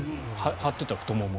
張っていた太もも。